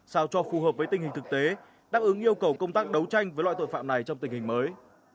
sao cho phù hợp với tình hình thực tế đáp ứng yêu cầu công tác đấu tranh với loại tội phạm này trong tình hình mới